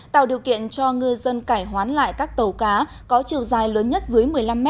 tạo điều kiện cho ngư dân cải hoán lại các tàu cá có chiều dài lớn nhất dưới một mươi năm m